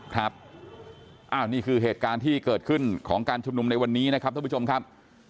ครับนี่คือเหตุการณ์ที่เกิดขึ้นของการชุมนุมในวันนี้นะครับท่านผู้ชมครับ